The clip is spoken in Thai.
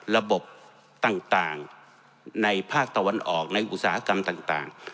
ระบบต่างในภาคตะวันออกในอุตสาหกรรมต่าง